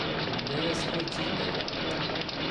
Nenna-asen ur ttgen aya.